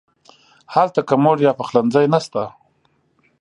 هلته کمود یا پخلنځی نه شته.